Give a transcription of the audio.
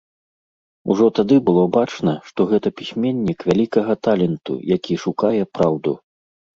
Ужо тады было бачна, што гэта пісьменнік вялікага таленту, які шукае праўду.